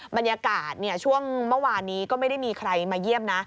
บรรยากาศช่วงเมื่อวานนี้ก็ไม่ได้มีใครมาเยี่ยมนะ